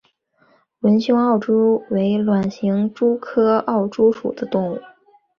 纹胸奥蛛为卵形蛛科奥蛛属的动物。